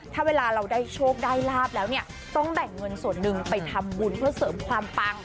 ถ้าเวลาเราได้โชคได้ลาบแล้วเนี่ยต้องแบ่งเงินส่วนหนึ่งไปทำบุญเพื่อเสริมความปัง